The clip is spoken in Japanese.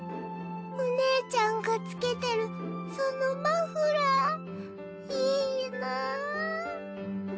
お姉ちゃんがつけてるそのマフラーいいなぁ。